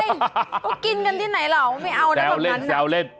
ก็กินกันที่ไหนเหรอไม่เอานะเขาเล่นแซวเล่น